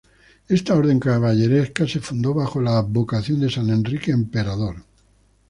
Esta orden caballeresca se fundó bajo la advocación de San Enrique Emperador.